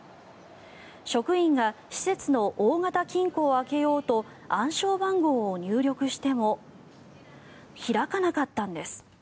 職員が施設の大型金庫を開けようと暗証番号を入力しても開かなかったんです。